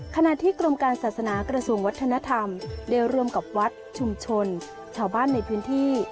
ขณะที่กรมการศาสนากระทรวงวัฒนธรรมได้ร่วมกับวัดชุมชนชาวบ้านในพื้นที่